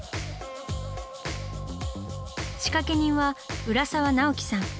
仕掛け人は浦沢直樹さん。